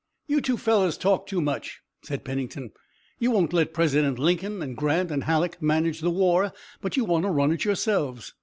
"You two fellows talk too much," said Pennington. "You won't let President Lincoln and Grant and Halleck manage the war, but you want to run it yourselves."